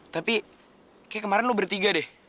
tapi kayak kemarin lo bertiga deh